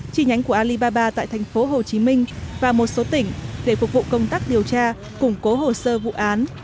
chi nhánh của alibaba tại thành phố hồ chí minh và một số tỉnh để phục vụ công tác điều tra củng cố hồ sơ vụ án